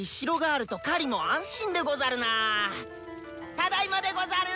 ただいまでござる！